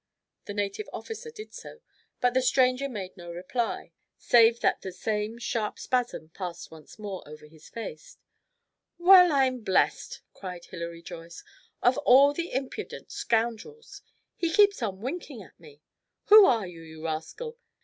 The native officer did so, but the stranger made no reply, save that the same sharp spasm passed once more over his face. "Well, I'm blessed!" cried Hilary Joyce. "Of all the impudent scoundrels! He keeps on winking at me. Who are you, you rascal?